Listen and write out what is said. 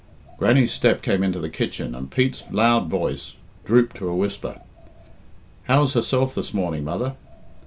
Grannie's step came into the kitchen, and Pete's loud voice drooped to a whisper. "How's herself this morning, mother?"